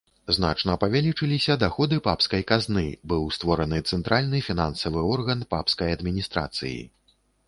Значна павялічыліся даходы папскай казны, быў створаны цэнтральны фінансавы орган папскай адміністрацыі.